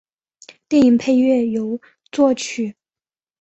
电影配乐由作曲。